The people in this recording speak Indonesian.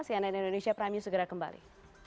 cnn indonesia prime news segera kembali